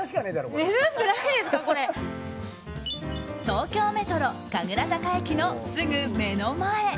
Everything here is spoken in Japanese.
東京メトロ神楽坂駅のすぐ目の前。